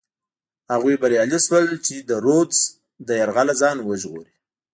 هغوی بریالي شول چې د رودز له یرغله ځان وژغوري.